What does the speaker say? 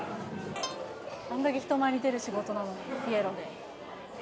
あんだけ人前に出る仕事なのにピエロで。